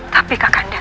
tapi kak kandan